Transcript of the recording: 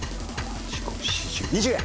２０円！